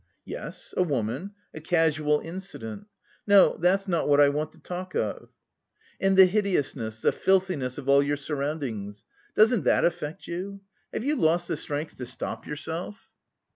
"Yes, a woman, a casual incident.... No, that's not what I want to talk of." "And the hideousness, the filthiness of all your surroundings, doesn't that affect you? Have you lost the strength to stop yourself?"